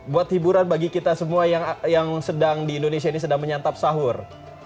buat hiburan bagi kita semua yang sedang di indonesia ini sedang menyantap sahur